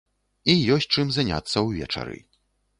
І ёсць чым заняцца ўвечары.